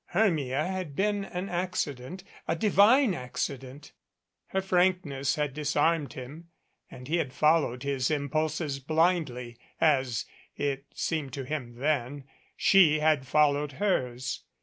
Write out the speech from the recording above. Hermia had been an accident a divine accident. Her frankness had disarmed 305 MADCAP him, and he had followed his impulses blindly, as (it seemed to him then) she had followed hers.